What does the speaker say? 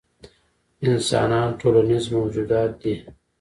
انسانان ټولنیز موجودات دي.